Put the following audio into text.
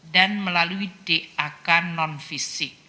dan melalui dak non fisik